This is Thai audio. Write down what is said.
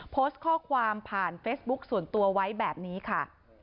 โพสต์ข้อความผ่านเฟซบุ๊คส่วนตัวไว้แบบนี้ค่ะ